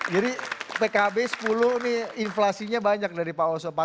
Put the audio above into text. jadi pkb sepuluh ini inflasinya banyak dari pak oso empat puluh